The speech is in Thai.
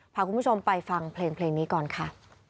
พาคุณผู้ชมไปฟังเพลงนี้ก่อนค่ะ